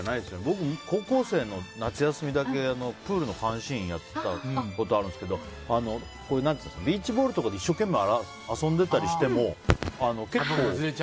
僕、高校生の夏休みだけプールの監視員やってたことあるんですけどビーチボールとかで一生懸命、遊んでたりしても結構。